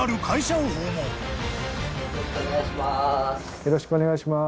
よろしくお願いします。